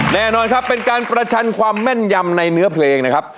แน่นอนครับเป็นการประชันความแม่นยำในเนื้อเพลงนะครับ